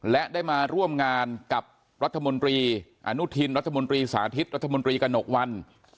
และได้มาร่วมงานกับรัฐมนตรีอนุทินรัฐมนตรีสาธิตรัฐมนตรีกระหนกวัน